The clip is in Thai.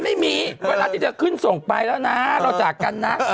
มันไม่มีเวลาที่จะคลื่นส่งไปแล้วนะรอจากกันนะ